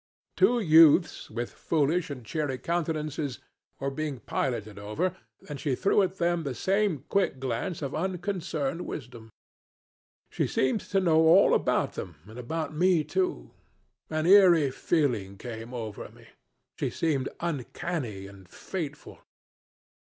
Two youths with foolish and cheery countenances were being piloted over, and she threw at them the same quick glance of unconcerned wisdom. She seemed to know all about them and about me too. An eerie feeling came over me. She seemed uncanny and fateful.